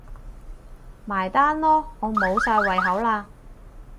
埋單囉，我無晒胃口喇